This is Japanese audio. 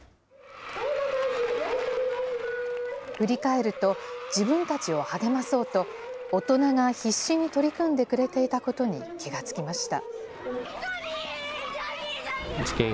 振り返ると、自分たちを励まそうと、大人が必死に取り組んでくれていたことに気が付きました。